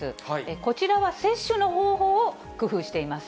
こちらは接種の方法を工夫しています。